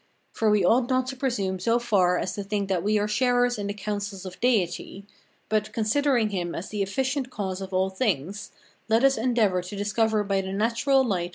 French.] for we ought not to presume so far as to think that we are sharers in the counsels of Deity, but, considering him as the efficient cause of all things, let us endeavour to discover by the natural light [Footnote: "Faculty of reasoning." FRENCH.